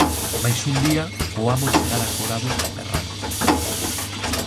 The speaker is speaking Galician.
Mais un día, o amo chegara acorado, berrando